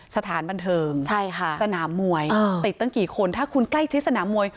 สถานบันเทิงสนามมวยติดตั้งกี่คนถ้าคุณใกล้ชิดสนามมวย